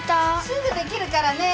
すぐできるからね。